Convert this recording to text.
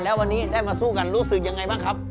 แล้ววันนี้ได้มาสู้กันรู้สึกยังไงบ้างครับ